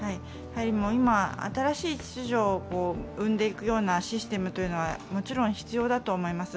今、新しい秩序を生んでいくようなシステムというのはもちろん必要だと思います。